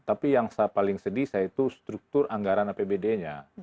tapi yang paling sedih saya itu struktur anggaran apbd nya